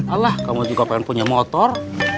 alah kamu juga pengen punya motor